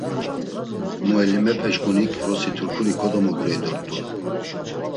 Muelimepeşǩunik vrosi Turkuri kodomogurey dort̆u.